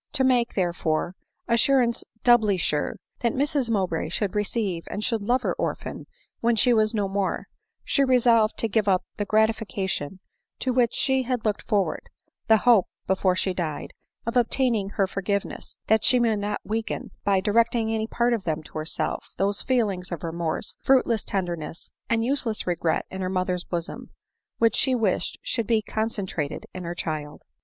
To make, therefore, "assurance doubly sure," that Mrs Mowbray should receive and should love her orphan when she was no more, she resolved to give up the grati fication to which she had looked forward, the hope, be fore she died, of obtaining her forgiveness — that she might not weaken, by directing any part of them to herself, those feelings of remorse, fruitless tenderness, and useless regret in her mother's bosom, which she wished should be concentrated in her child.